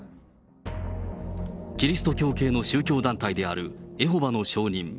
キリスト教系の宗教団体であるエホバの証人。